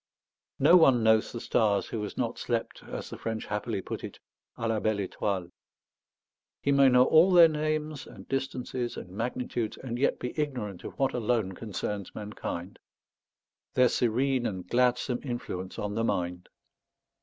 No one knows the stars who has not slept, as the French happily put it, à la belle étoile. He may know all their names and distances and magnitudes, and yet be ignorant of what alone concerns mankind, their serene and gladsome influence on the mind.